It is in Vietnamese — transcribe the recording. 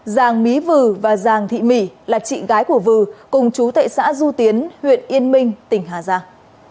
giang mí vừ và giang thị mỹ là chị gái của vừ cùng chú tại xã du tiến huyện yên minh tỉnh hà giang